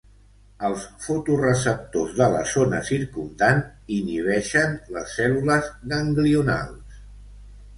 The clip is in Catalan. Els fotorreceptors de la zona circumdant "inhibeixen" les cèl·lules ganglionals.